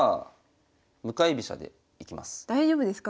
大丈夫ですか？